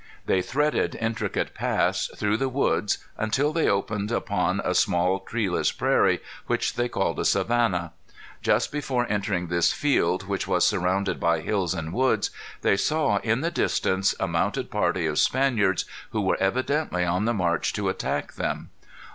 They threaded intricate paths through the woods, until they opened upon a small treeless prairie, which they called a savanna. Just before entering this field, which was surrounded by hills and woods, they saw, in the distance, a mounted party of Spaniards who were evidently on the march to attack them.